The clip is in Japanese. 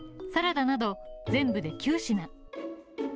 サラダなど、全部で９品。